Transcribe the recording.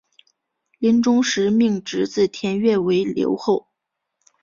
临终时命侄子田悦为留后。